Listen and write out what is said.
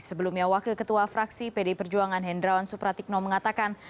sebelumnya wakil ketua fraksi pd perjuangan hendrawan supratikno mengatakan